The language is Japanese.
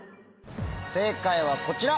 正解はこちら！